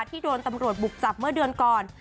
ที่โดนตำรวจบุกจับเมื่อเดือนก่อน